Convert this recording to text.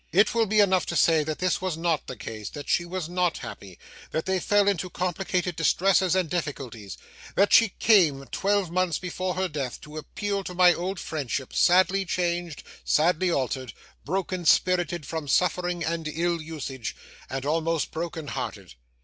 'It will be enough to say that this was not the case; that she was not happy; that they fell into complicated distresses and difficulties; that she came, twelve months before her death, to appeal to my old friendship; sadly changed, sadly altered, broken spirited from suffering and ill usage, and almost broken hearted.